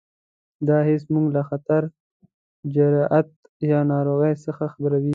دا حس موږ له خطر، جراحت یا ناروغۍ څخه خبروي.